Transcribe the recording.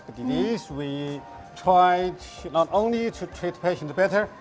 apa adalah alasan utama untuk fuwai hospital